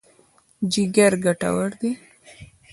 جګر ګټور دی.